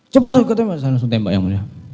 cepat saya langsung tembak yang mulia